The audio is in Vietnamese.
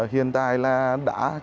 hiện tại là đã chuyển